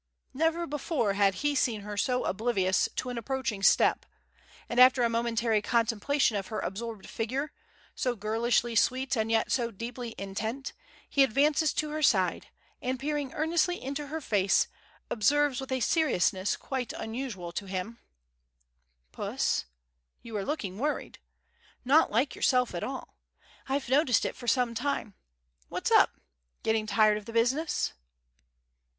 Never before had he seen her oblivious to an approaching step; and after a momentary contemplation of her absorbed figure, so girlishly sweet and yet so deeply intent, he advances to her side, and peering earnestly into her face, observes with a seriousness quite unusual to him: "Puss, you are looking worried, not like yourself at all. I've noticed it for some time. What's up. Getting tired of the business?"